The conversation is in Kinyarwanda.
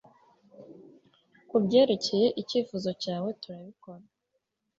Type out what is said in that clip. Kubyerekeye icyifuzo cyawe turabikora